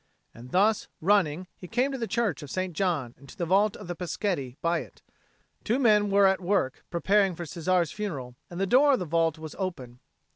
And thus, running, he came to the church of St. John and to the vault of the Peschetti by it; two men were at work preparing for Cesare's funeral, and the door of the vault was open.